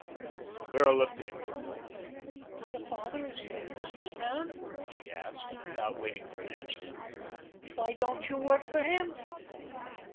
The girl looked at him for a moment. "Your father is a business man?" she asked, and without waiting for an answer, "Why don't you work for him?"